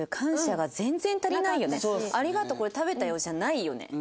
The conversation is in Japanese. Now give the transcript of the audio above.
「ありがとうこれ食べたよ」じゃないよね。